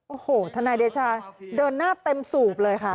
โอ้โหทนายเดชาเดินหน้าเต็มสูบเลยค่ะ